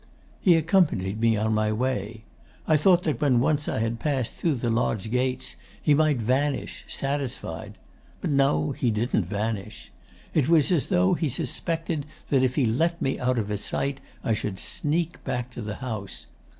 'He accompanied me on my way. I thought that when once I had passed through the lodge gates he might vanish, satisfied. But no, he didn't vanish. It was as though he suspected that if he let me out of his sight I should sneak back to the house.